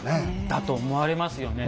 だと思われますよね。